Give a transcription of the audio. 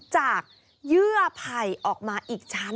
จากเยื่อไผ่ออกมาอีกชั้นนึง